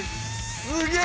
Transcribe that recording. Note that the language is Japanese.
すげえ！